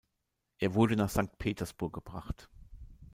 Er wurde nach Sankt Petersburg gebracht.